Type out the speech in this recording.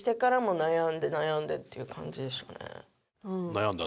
悩んだ？